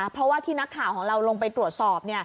เพราะว่าที่นักข่าวของเราลงไปตรวจสอบ